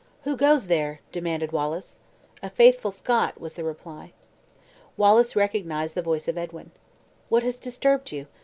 "Who goes there?" demanded Wallace. "A faithful Scot," was the reply. Wallace recognized the voice of Edwin. "What has disturbed you?